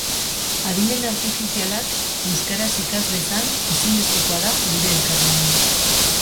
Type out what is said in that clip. Adimen artifizialak euskaraz ikas dezan, ezinbestekoa da gure elkarlana.